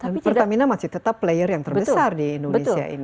pertamina masih tetap player yang terbesar di indonesia ini